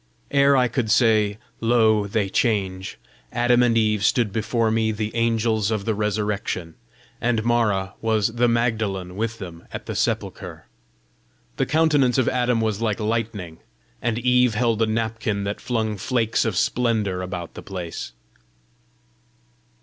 Ere I could say, "Lo, they change!" Adam and Eve stood before me the angels of the resurrection, and Mara was the Magdalene with them at the sepulchre. The countenance of Adam was like lightning, and Eve held a napkin that flung flakes of splendour about the place.